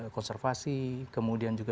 konservasi kemudian juga